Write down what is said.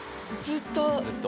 ずっと。